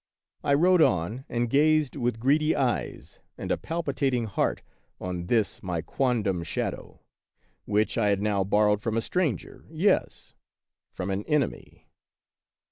I rode on, and gazed with greedy eyes and a palpitating heart on this my quondam shadow, which I had now borrowed from a stranger, yes, — from an enemy.